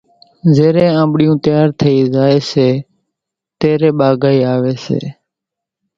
زيرين آنٻڙِيون تيار ٿئِي زائيَ سي تيرين ٻاگھائِي آويَ سي۔